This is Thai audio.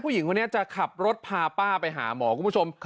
ผู้หญิงคนนี้จะขับรถพาป้าไปหาหมอคุณผู้ชม